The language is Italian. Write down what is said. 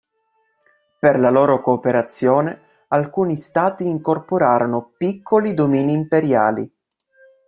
Per la loro cooperazione, alcuni stati incorporarono piccoli domini imperiali.